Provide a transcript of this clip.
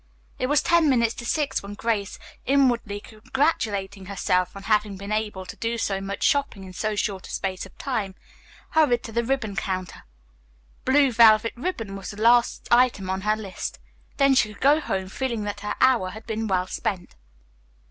It was ten minutes to six when Grace, inwardly congratulating herself on having been able to do so much shopping in so short a space of time, hurried to the ribbon counter. Blue velvet ribbon was the last item on her list. Then she could go home feeling that her hour had been well spent.